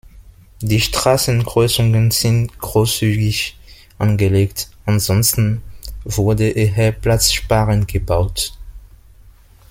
Die Straßenkreuzungen sind großzügig angelegt, ansonsten wurde eher platzsparend gebaut.